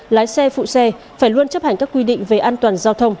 lái xe phụ xe phải luôn chấp hành các quy định về an toàn giao thông